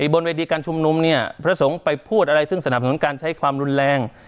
บนเวทีการชุมนุมเนี่ยพระสงฆ์ไปพูดอะไรซึ่งสนับสนุนการใช้ความรุนแรง